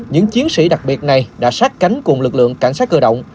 những chiến sĩ đặc biệt này đã sát cánh cùng lực lượng cảnh sát cơ động